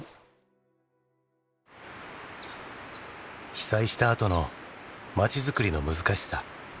被災したあとのまちづくりの難しさ。